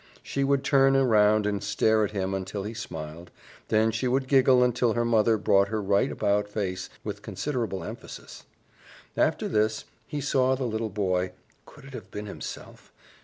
She would turn around and stare at him until he smiled, then she would giggle until her mother brought her right about face with considerable emphasis. After this, he saw the little boy could it have been himself?